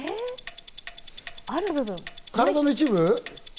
体の一部？